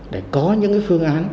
để có những phương án